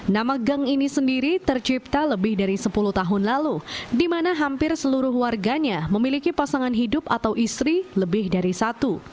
nama gang ini sendiri tercipta lebih dari sepuluh tahun lalu di mana hampir seluruh warganya memiliki pasangan hidup atau istri lebih dari satu